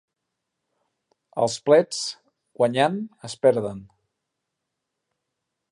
Els plets, guanyant, es perden.